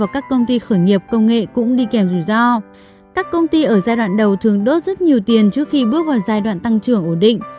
các nhà đầu tư thường đốt rất nhiều tiền trước khi bước vào giai đoạn tăng trưởng ổn định